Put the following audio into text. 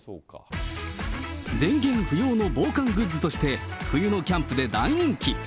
電源不要の防寒グッズとして冬のキャンプで大人気。